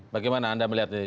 bagaimana anda melihatnya